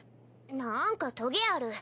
なんかトゲある。